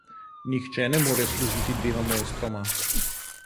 Nihče ne more služiti dvema mojstroma.